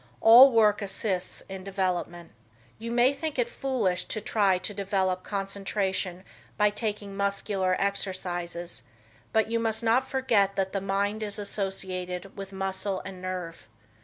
All work assists in development. You may think it foolish to try to develop concentration by taking muscular exercises, but you must not forget that the mind is associated with muscle and nerve.